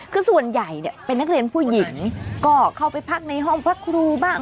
คือส่วนใหญ่เนี่ยเป็นนักเรียนผู้หญิงก็เข้าไปพักในห้องพระครูบ้าง